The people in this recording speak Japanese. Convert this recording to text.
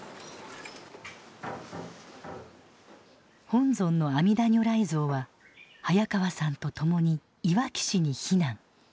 本尊の阿弥陀如来像は早川さんと共にいわき市に避難。